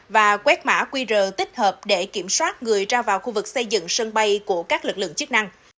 và quét mã qr tích hợp để kiểm soát người ra vào khu vực xây dựng sân bay của các lực lượng chức năng